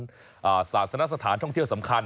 สาธารณ์สนับสถานท่องเที่ยวสำคัญ